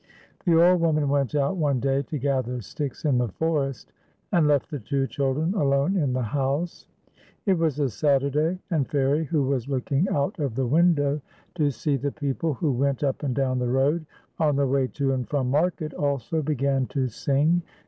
The old woman went out one day to gather sticks in the forest, and left the two children alone in the 1 66 FAIRIE AND BROWNIE. house. It was a Saturday, and Fairie, who was look ing out of the window to see the people who went up and down the road, on their way to and from market, also began to sing.